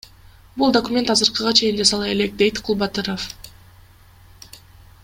Бул документ азыркыга чейин жасала элек, — дейт Кулбатыров.